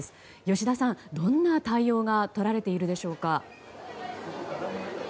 吉田さん、どんな対応がとられているでしょうか？